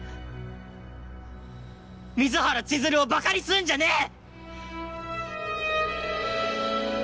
水原千鶴をバカにすんじゃねぇ‼